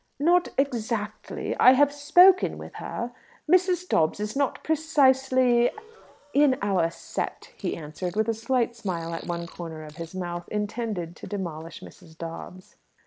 "Not exactly. I have spoken with her. Mrs. Dobbs is not precisely in our set," he answered, with a slight smile at one corner of his mouth, intended to demolish Mrs. Dobbs.